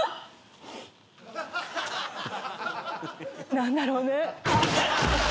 何だろうね。